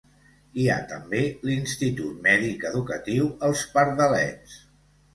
Hi ha també l'Institut Mèdic Educatiu Els Pardalets.